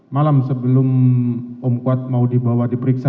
malam sebelum om kuat mau dibawa diperiksa